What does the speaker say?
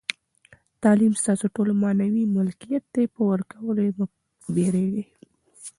تعلیم ستاسي معنوي ملکیت دئ، پر ورکولو ئې مه بېرېږئ!